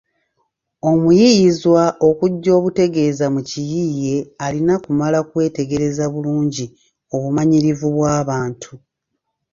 Omuyiiyizwa okujja obutegeeza mu kiyiiye alina kumala kwetegereza bulungi obumanyirivu bw’abantu.